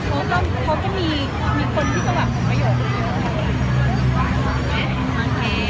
เพราะว่าเขาก็มีคนที่จะแบบมีประโยชน์อีกเยอะ